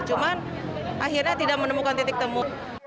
cuman akhirnya tidak menemukan titik temu